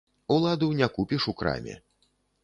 Уладу не купіш у краме.